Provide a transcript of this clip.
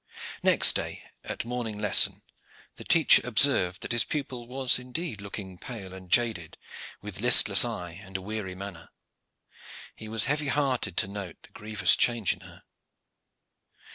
Next day at morning lesson the teacher observed that his pupil was indeed looking pale and jaded, with listless eyes and a weary manner. He was heavy hearted to note the grievous change in her.